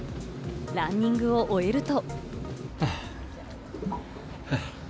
ランニングを終えると。